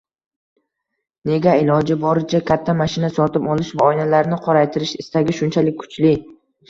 Nega iloji boricha katta mashina sotib olish va oynalarini qoraytirish istagi shunchalik kuchli?